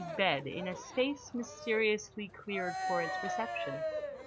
's bed in a space mysteriously cleared for its reception.